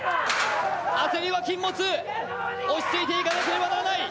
焦りは禁物、落ち着いていかなければならない。